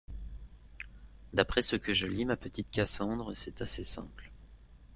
D’après ce que je lis, ma petite Cassandre, c’est assez simple.